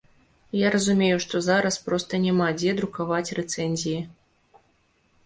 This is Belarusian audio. Я разумею, што зараз проста няма дзе друкаваць рэцэнзіі.